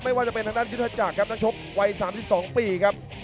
ไม่ว่าจะเป็นทางด้านยุทัศจากนักชกวัย๓๒ปีครับ